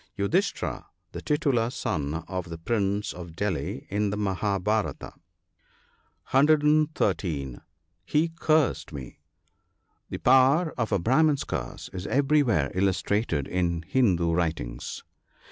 — Yudhisthira, titular son of the Prince of Delhi, in the Mahabharata. (113.) He cursed me. — The power of a Brahman's curse is everywhere illustrated in Hindoo writings.